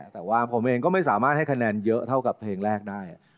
แต่ว่าผมเองก็ไม่สามารถให้คะแนนเยอะเท่ากับเพลงแรกได้